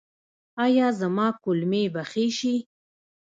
ایا زما کولمې به ښې شي؟